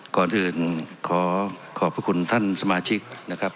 ก่อนอื่นขอขอบพระคุณท่านสมาชิกนะครับ